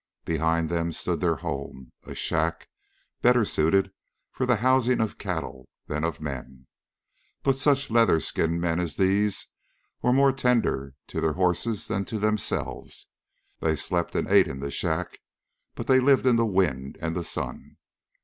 Behind them stood their home, a shack better suited for the housing of cattle than of men. But such leather skinned men as these were more tender to their horses than to themselves. They slept and ate in the shack, but they lived in the wind and the sun.